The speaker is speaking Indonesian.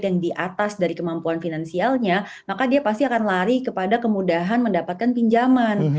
yang di atas dari kemampuan finansialnya maka dia pasti akan lari kepada kemudahan mendapatkan pinjaman